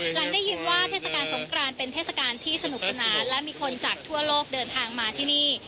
หลังได้ยินว่าเทศกาลสงกรานเป็นเทศกาลที่สนุกสนานและมีคนจากทั่วโลกเดินทางมาที่นี่